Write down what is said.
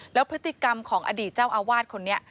แล้วพฤติกรรมของอดีตเจ้าอาวาสคนนี้